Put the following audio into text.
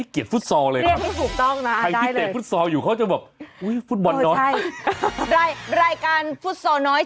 เรียกเขาว่าฟุตบอลน้อยเลยครับ